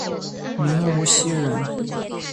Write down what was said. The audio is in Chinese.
明无锡人。